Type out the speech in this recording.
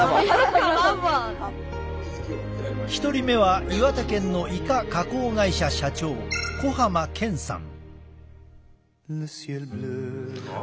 １人目は岩手県のイカ加工会社社長小濱健さん。